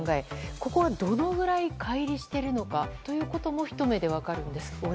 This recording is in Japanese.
ここはどのぐらい乖離しているかもひと目で分かるんです。